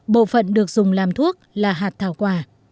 bộ phận được dùng làm thuốc là hạt thảo quả